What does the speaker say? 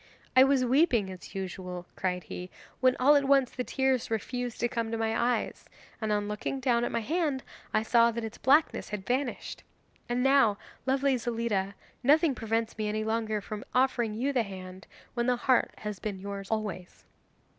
'I was weeping as usual,' cried he, 'when all at once the tears refused to come to my eyes, and on looking down at my hand I saw that its blackness had vanished. And now, lovely Zelida, nothing prevents me any longer from offering you the hand, when the heart has been yours always.